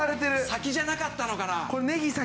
先じゃなかったのかな？